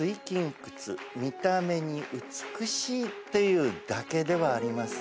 くつ見た目に美しいというだけではありません。